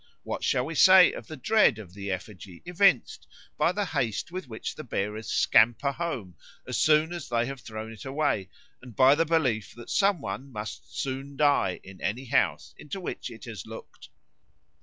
What shall we say of the dread of the effigy evinced by the haste with which the bearers scamper home as soon as they have thrown it away, and by the belief that some one must soon die in any house into which it has looked?